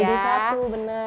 jadi satu benar